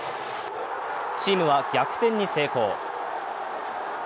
チームは逆転に成功。